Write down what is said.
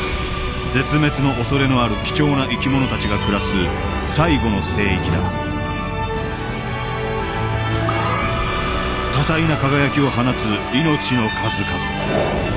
絶滅のおそれのある貴重な生き物たちが暮らす最後の聖域だ多彩な輝きを放つ命の数々。